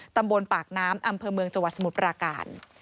ตำบลปากน้ำอำเภอเมืองจังหวัดสมุทรปราการ